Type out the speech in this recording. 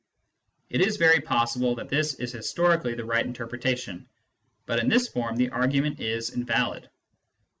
It is very possible that this is historically the right inter pretation, but in this form the argument is invalid.